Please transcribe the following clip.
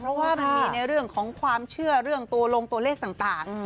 เพราะว่ามันมีในเรื่องของความเชื่อเรื่องตัวลงตัวเลขต่าง